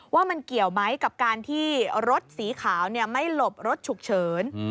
ว่ามันเกี่ยวไหมกับการที่รถสีขาวไม่หลบรถฉุกเฉิน